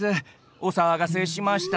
お騒がせしました。